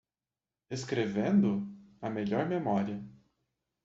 Escrevendo? a melhor memória.